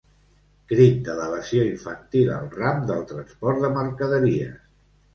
Crit d'elevació infantil al ram del transport de mercaderies.